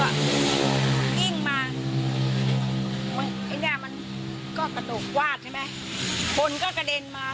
แล้วก็กิ้งมามันไอหน้ามันก็ประตูกกวาดใช่ไหมคนก็กระเด็นมา